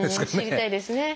知りたいですね。